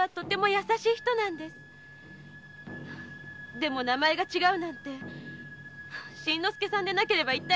でも名前が違うなんて新之助さんでなければ一体？